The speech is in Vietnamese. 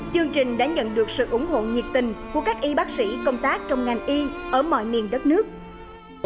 chương trình đã nhận được sự ủng hộ nhiệt tình của các y bác sĩ công tác trong ngành y ở mọi miền đất nước